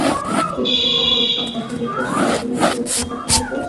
তিনি সেখানে উত্তম পথনির্দেশ পেয়েছিলেন, কী উত্তম পথনির্দেশ!